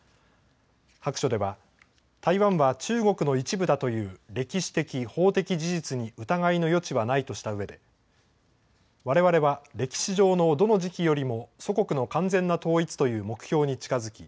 白書では台湾は中国の一部だという歴史的、法的事実に疑いの余地はないとしたうえでわれわれは歴史上のどの時期よりも祖国の完全な統一という目標に近づき